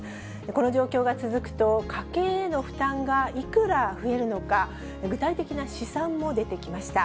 この状況が続くと、家計への負担がいくら増えるのか、具体的な試算も出てきました。